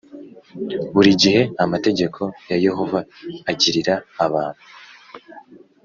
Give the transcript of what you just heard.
Buri gihe amategeko ya yehova agirira abantu